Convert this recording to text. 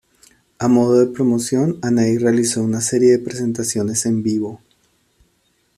A modo de promoción, Anahí realizó una serie de presentaciones en vivo.